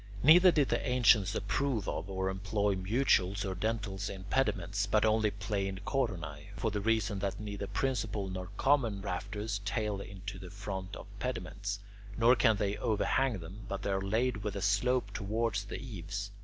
Neither did the ancients approve of or employ mutules or dentils in pediments, but only plain coronae, for the reason that neither principal nor common rafters tail into the fronts of pediments, nor can they overhang them, but they are laid with a slope towards the eaves.